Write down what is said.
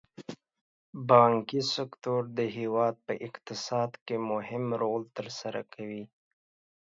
بانکي سکتور د هېواد په اقتصاد کې مهم رول تر سره کوي.